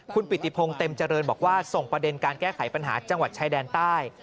คุณปิติพงศ์เต็มเจริญบอกว่าส่งประเด็นการแก้ไขปัญหาจังหวัดชายแดนใต้